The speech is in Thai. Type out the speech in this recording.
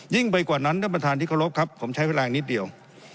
ยิ่งไปกว่านั้นท่านประธานิกรบครับผมใช้เวลานิดเดียว